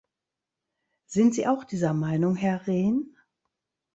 Sind Sie auch dieser Meinung, Herr Rehn?